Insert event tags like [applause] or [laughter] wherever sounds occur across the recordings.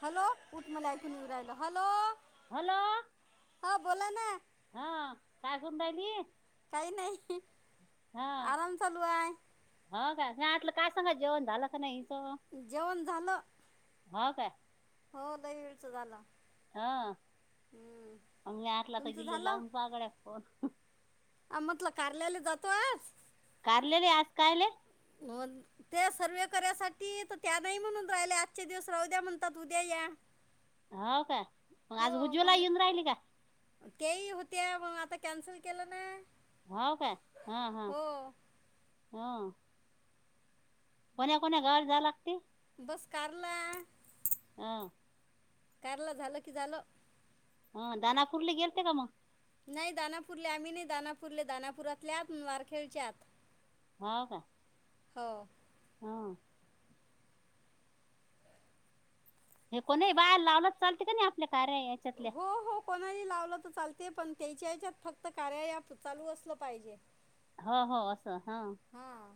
Hello उठ मला hello ऐकून येऊ राहिला हॅलो हॅलो हा बोला ना गुंदाली काही नाही आराम चालू आहे ह काय नाही आटलं काय सांगा जेवण झालं का नाही जेवन झालो ह काय हो दही [unintelligible] झालं. हा, हम्म. मग मी आला तर तुमचं गिल्लीला झालं लावून पागड फोण. आ म्हटलं करलेला जातो. कारलेले आज कायले? हो त्या सर्व करायसाठी तर त्या नाही म्हणून राहिल्या आजचे दिवस राहू द्या म्हणतात उद्या या. हाव का, म आज उज्वला येऊन राहिली का? केही होतेया मग आता कॅन्सल केलं ना? हाव का हा, हा, हो हा. कोण्या कोण्या घर जा लागती. बस कारला. हा. कारला झालं की झालं. हा दना फुर्ली गेलते का म. नाही दानापूरले आम्ही नाही दानापूरले दानापुरातल्यात वारखेळच्या आत. हाव का? हो. हा. हे कोण बाहेर लावलंच चालते का नाही आपल्या कार्य याच्यातल्या. हो हो कोणाही लावलं तर चालते पण त्याच्या याच्यात फक्त कार्य चालू असलं पाहिजे. हो, हो असं हा, हां.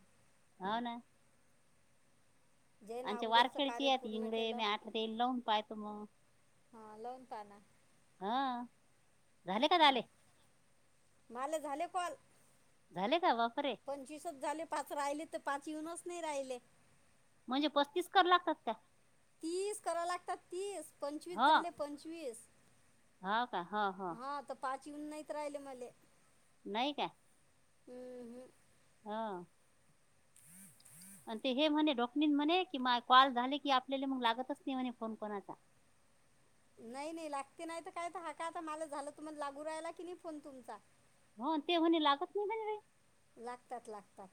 हाव ना. जेन आच्या अगोदरचं कार्य वारखेळची आहेत पूर्ण हिंगडे केलं. म आटलं ते लावून पाहतो म. हा लवून पाना. हा, झाले का झाले. मला झाले कॉल, झाले का बापरे पंचवीसच झाले पाच राहिलेत. पाच येऊनच नाही राहिले. म्हणजे पस्तीस कर लागतात का? तीस कराव लागतात तीस, पंचवीस झाले पंचवीस. हाव का हाव, हाव. हा [unintelligible] नाहीत राहिले मले. नाही का? हम्म हम्. हा. आणि ते हे म्हणे डॉकनीन म्हणे कि कॉल झाले की आपल्याला मग लागतच नाही म्हणे फोन कोणाला. [inaudible] नाही नाही लागते नाही तर काय हका आता मला झालं तुम लागू राहिला कि नाही फोन तुमचा. हो ते होणे लागत नाही म्हणज रे. लागतात, लागतात,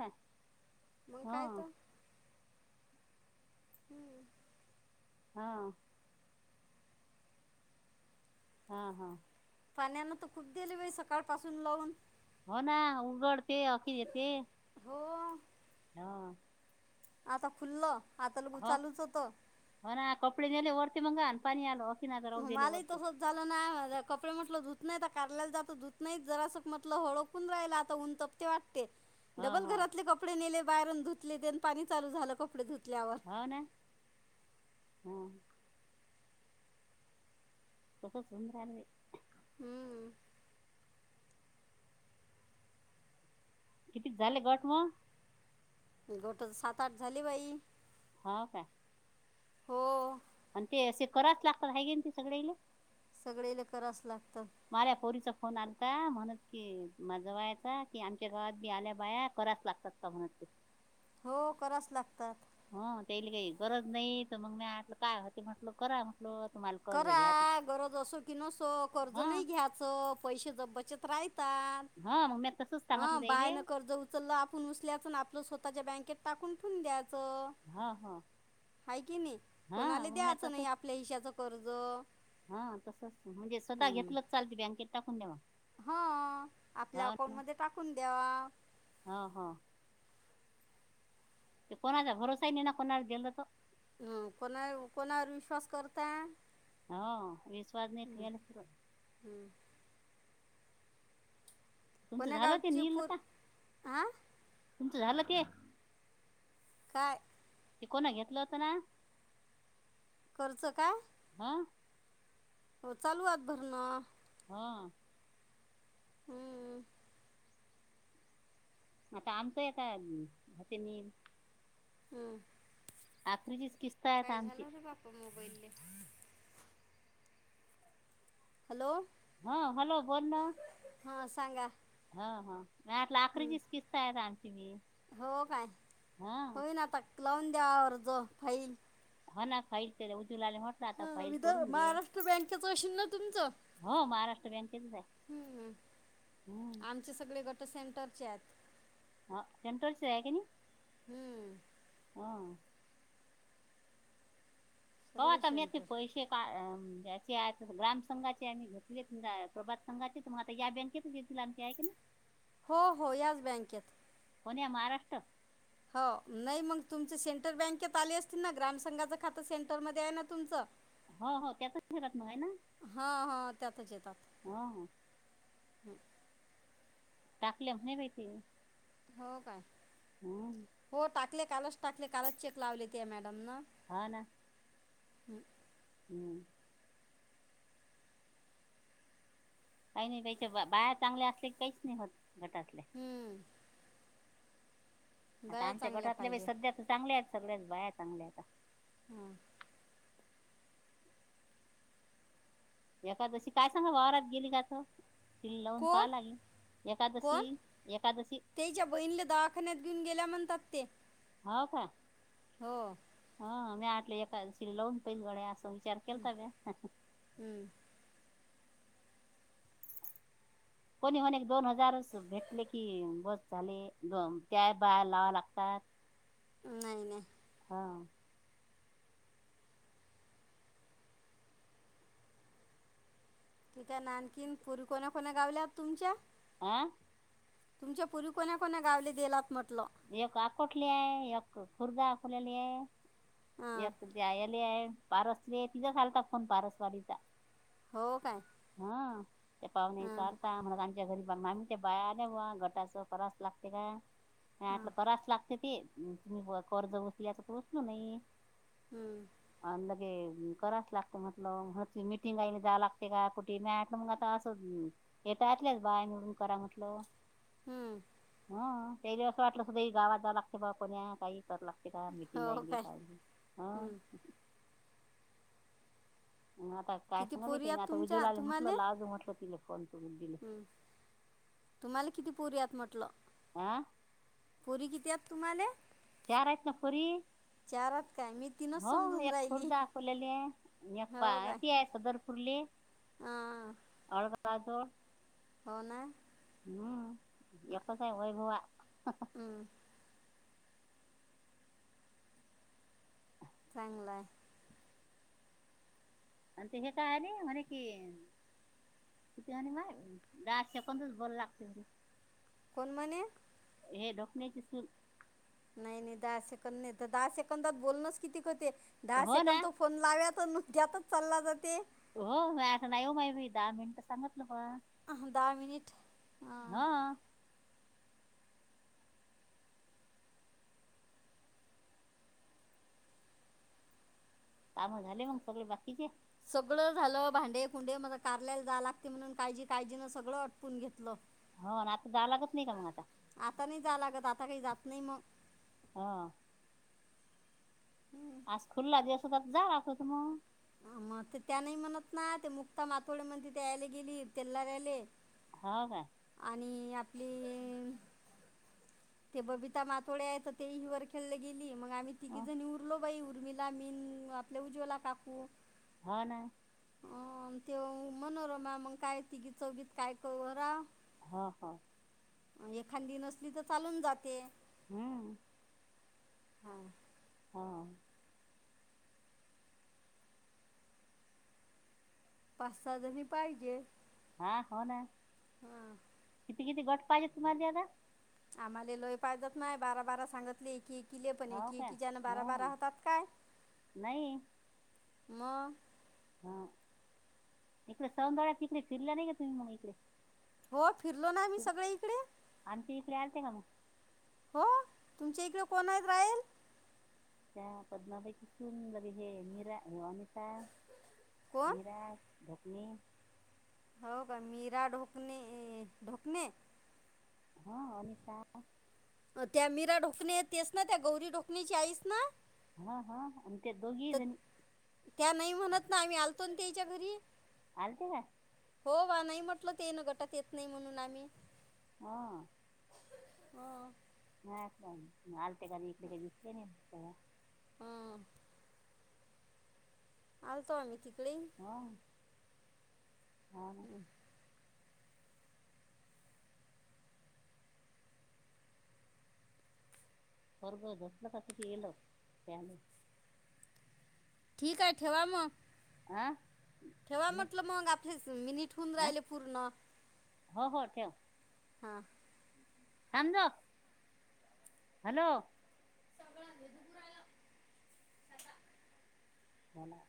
का मग काय त. हो [inaudible] हा. हा हा. पाण्याना तर खूप दिली बाई सकाळ पासून लावून. हो ना उघडते अखिर येते. हो हो आता खुल्ल आता ल चालूच होत. कपड मे ओरती मंग [unintelligible] पणी आलो. मलाही तसच झालं नाही माझ कपडे म्हटलं दुत त नाही काढलेला जातं दूत नाही जरासं म्हटलं हळकून राहिला आता उन तपते वा हो डबल हो घरातले कपडे नेले बाहेरून धुतले पाणी चालू झालं कपडे ुत हो ना हम कसं सुंदर रे हम्म कितीच झाले गट मग गोट सात आठ झाली बाई होा का हो आणि ते असे कराच लागतात ह गे ते सगळे ल सगळे ल करास लागत फन आल का म्हणत कि माझा व्हायाचा की आमच्या गावात बी आल्या बाया कराच लागतात का म्हणत ह हो कराच लागतात ह त्याला काही गरज नाही तर मग म आटलं काय होते म्हटल करा म्हटलं तुम्हाला कर्ज घ्या करा गरज असो कि नसो कर्ज हा नाही घ्यायचं पैसे ज बचत राहत हा मग मी तसच सांगितलं हं त्याले बायन कर्ज उचललं आपण उचल्या प आपलं स्व त बँके टाूनून द्या हा हा कि नाही हा कोणाला मग मी दयचं नाही तसच आपल्या हशाच कर्ज हा तसच म्हणजे स्वतः हम्म. घेतलंच चालते बँकेत टाकून देवा हा आपल्या [unintelligible] अकाउंटमध्ये टाकून द्यावा हा हा. ते कोणाचा भरोसानी ना कोणाला गेल त. हम कोणा कोणावर विश्वास करता होा विश्वास नाही ठेल हं. तुमचं कोण्या झालं ते गावची पूर नीललता हा तुमचं झालं ते काय ते कोणा घेतलं होतं ना करचं का हा हो चालू आत भर ना हा हम्म आता आमतोय आता होते नम हम्म आपखलीची काय झालं र बाप्पा मोबाईल हॅलो हा हॅलो बोल ना हां सांगा हा हा नाही आला हं. अकरीचीच किस्त आहे आमची मी हो काय हा होय ना आता लावून द्यावरर्ज फाईल हा खालत हा वि महाराष्ट्र बँकच असशन ना तुमचं हो महाराष्ट्र बँकेचच आहे हम्म हम्म आमचे सगळे गट सेमटरचे आहेत ह शेमटोच आहे का नाही हम्म ह ह सगळे त सेंटर पैसे का चे ग्राम संघाचे आम्ही घेतले प्रभात संघाचे तुम्हा आता या बँकेतच येतील आमऐ ह हो हो याच बँकेत कोण या महाराष्ट्र हो नाही मग तुमच्या सेंट्रल बँकेत आले असतील ना ग्रामसंघाच खातं सेंटर मध्ये आहे ना तुमच हो हो त्याच ठेगात मग आहे ना हां हां त्यातच हो [inaudible] हम टाकल्या म्ह नाही भहि ते हो का हम्म टाकले कालच टाकले कालच चेक लावले ते मॅडम न हा ना हम् हम्म काही नाही त्याच्या बा बायार चांगल्या असले की काहीच नाही होत घटातले हम्म आता दया आमच्या चांगल्या गटातले बा पाहिजे सध्या तर चांगल्या आहेत सगळ्याच बाया चांगल्या आता हम. एखकादशी काय सांगा वावरात गेली का त ति लावून कोण पाहा लागेल. एकादशी कोण एकादशी तेच्या बहीणला दवाखान्यात घेऊन गेल्या म्हणतात. ते हाव का? हो ह मी आटले एकादशी लावून पैल गड असा विचार केलता म्या हम्म. कोणी कोणी दोन हजारच भेटले कि बस झाले त्या बाहे लावा लागतात ह नाहीय नाही हा ठीक आहे नानकीन पुरी कोणा कोणा गावल्या तुमच्या हा तुमच्या पुूरी कोणा कोणा गावले गलात म्ह एक आकोटली आहे एक खुर्दा आखोलेली आहे हां एकयले आहे पारसली आहे तिझं ालतात फोन पारसवाडीचा हो काय हा त्या पाहणे हां चारता म्ह मा घरी बा आम्ही ते बाया बा गटाच करास लागते का आ हां करास लागत [unintelligible] हम्म. कराच लागते म्हट म्ह मिटिंग जा लागते का कुठ? [unintelligible] बाया निवडून करा म्हटलो. हम्म. ह काही दिवस वाटलं सुद्धा गाात जाव लागते ब कोण्या काही.. हो काय हम्म. [unintelligible] आता काय किती पोरी सांग आहेत आता तुमच्या उज्वलाले म्हटल तुम्हाला लाजू म्हटल तिला फोन तू दिले. हम्म. तुम्हाला किती पोरी हात म्हटलं? आ पुरी किती्यात तुम्हाले? चार हात ना पोरी. आहेत काय मी तीनच हो समजून एक खुर्द राहिली दाखवलेली आहेी एक [unintelligible] कुठली? हा. वाजोळ. हो ना. एकच हाय होय बुआ. चांगल हाय. आणि ते हे काय आले म्हणे की... कितीे आणि [unintelligible] कोण मणे? हे डोकण्याचे सून. नाही नाही दहा सेकड नाही तर दहा सेकंदात बोलणंच किती ख होते दहा हो ना सेकड तो फोन लाव्यात.. [unintelligible] त्यातच चालला जाते. हो आसं नाही वो [unintelligible] मी दहा मिनट सांगतलं बा तुम्हाला. आहों दहा मिनिट, हां हा काम झाले मग सगळे बाकीचे? सगळं झालं, भांडे, फुंडे मग कारल्याला जाया लागते म्हणून काळजी काळजीन सगळं आटपून घेतलं. हो आता जाया लागत नाही का मग आता, आता नाही जा लागत आता काही जात नाही मग, हा आज खुल्ला दिवस होता, तर जा होत मग मग ते त्या नाही म्हणत ना ते मुक्ता माथोडे म्हनत होती तिथे यायला गेली त्यांना द्यायले. हो काय, आणि आपली ए... ते बबिता माातोड्या येत होती तेहि वर खेळली गेली. मग आम्ही तिघी हो जणी उरलो बाई उर्मीला, मीन, आपल्या उजवला काकू हाव ना. अ ते मनोरमा मग काय तिघी चौगीत काय करूरा. हा हा. एखादी नसली तर चालून जाते. हम्. हा. पाच, सहा जणी पाहिजे. हा हो ना, हा किती किती गट पाहिजेत तुम्हाला द्यायला. आम्हाला लोय पाहजत नाही बारा, बारा सांगितली की किले पण हो की का कि जन बारा हा बारा होतात काय? नाही मग हा इकडे सौधळ्यात त इकडे फिरल्या नाही तुम्ही मग इकडे हो, फिरलो ना आम्ही सगळे इकडे ते आलते का मगं हो, तुमच्या इकडे कोण आहेत राहील? त्या पद्मापैकी सुंदर हे मीरा ता कोण निराज धोपनी हो का मीरा ढोकणे ढोकणे हं अनिता त्या मीरा ढोकणे तेस ना त्या गौरी ढोकणे ची आईच ना? हा हा अन दोघी तर जनी त्या नाही म्हणत नाही. मी आलतो तेंच्या घरी आलते का हो वा नाही म्हटलं ते ना गटात येत नाही म्हणून आम्ही हा हा नाही आलते का नाही इकडे काही दिसले नाही कवा हं आलतो आम्ही तिकडे, हा, हा ना हम्म, पोरगो झोपलो का? कुठं गेलं? ठीक आहे. ठेवा मग, आह ठेवा म्हटलं. मग आपले मिनीट होऊन हा राहिले पूर्ण हो हो ठेवा. हा त्यांज हॅलो सगळा मधुपुराला आता हो ना